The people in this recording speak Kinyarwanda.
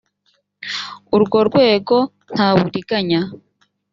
urwo rwego nta buriganya